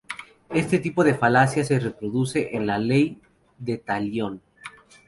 Este tipo de falacia se reproduce en la ley de Talión.